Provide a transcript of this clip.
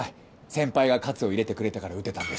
先輩が活を入れてくれたから打てたんです。